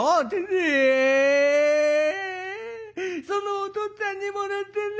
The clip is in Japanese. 「そのおとっつぁんにもらったんだ。